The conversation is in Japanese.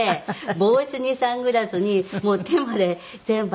帽子にサングラスに手まで全部。